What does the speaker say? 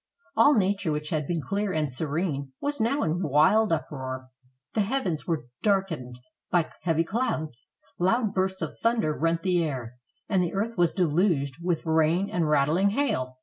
All nature, which had been clear and serene, was now in wild uproar. The heavens were dark ened by heavy clouds; loud bursts of thunder rent the air, and the earth was deluged with rain and rattling hail.